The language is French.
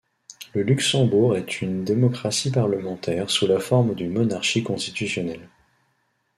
Le Luxembourg est une démocratie parlementaire sous la forme d'une monarchie constitutionnelle.